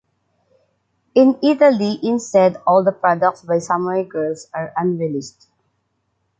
In Italy, instead, all the products by “Samurai Girls” are unreleased.